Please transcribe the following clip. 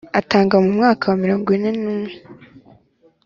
atanga mu mwaka wa mirongo ine n umwe